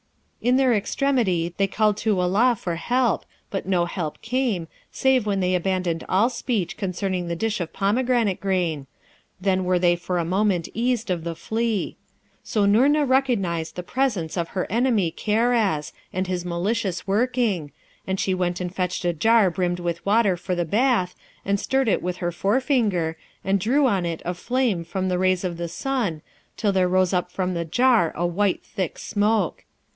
In their extremity, they called to Allah for help, but no help came, save when they abandoned all speech concerning the dish of pomegranate grain, then were they for a moment eased of the flea. So Noorna recognized the presence of her enemy Karaz, and his malicious working; and she went and fetched a jar brimmed with water for the bath, and stirred it with her forefinger, and drew on it a flame from the rays of the sun till there rose up from the jar a white thick smoke.